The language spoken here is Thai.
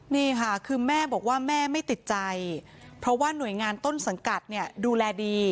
นี่ค่ะคือแม่บอกว่าแม่ไม่ติดใจเพราะว่าหน่วยงานต้นสังกัดเนี่ยดูแลดี